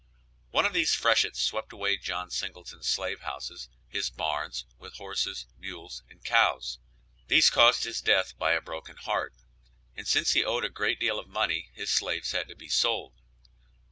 One of these freshets swept away John Singleton's slave houses, his barns, with horses, mules and cows. These caused his death by a broken heart, and since he owed a great deal of money his slaves had to be sold.